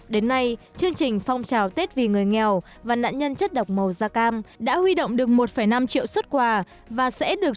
đến nay chương trình phong trào tết vì người nghèo và nạn nhân chất độc màu da cam đã huy động được một năm triệu xuất quà và sẽ được chuyển đến những hoàn cảnh đặc biệt trước dịp tết mậu tuất hai nghìn một mươi tám